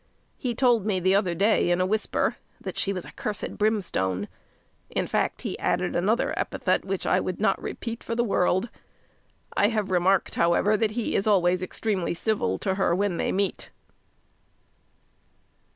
He told me the other day, in a whisper, that she was a cursed brimstone in fact, he added another epithet, which I would not repeat for the world. I have remarked, however, that he is always extremely civil to her when they meet.